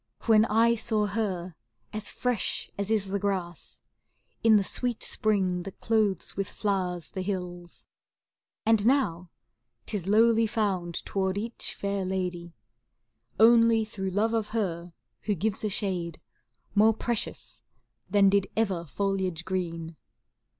When I saw her as fresh as is the grass ^ In the sweet spring that clothes with flowers the hills; And now 'tis lowly found toward each fair lady: Only through love of her who gives a shade More precious than did ever foliage green.